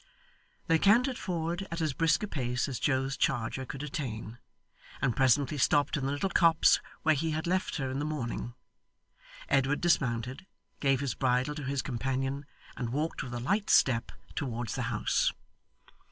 They cantered forward at as brisk a pace as Joe's charger could attain, and presently stopped in the little copse where he had left her in the morning. Edward dismounted, gave his bridle to his companion, and walked with a light step towards the house.